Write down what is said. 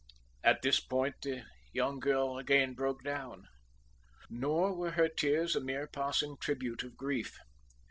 At this point the young girl again broke down. Nor were her tears a mere passing tribute of grief.